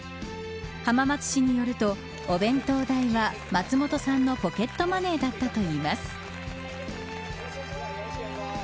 浜松市によると、お弁当代は松本さんのポケットマネーだったといいます。